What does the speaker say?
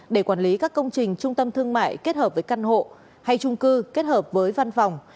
để quản lý các công trình trung tâm thương mại kết hợp với căn hộ hay trung cư kết hợp với văn phòng